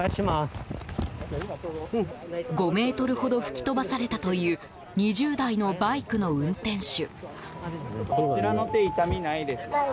５ｍほど吹き飛ばされたという２０代のバイクの運転手。